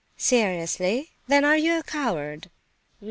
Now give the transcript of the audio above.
"Seriously? Then are you a coward?"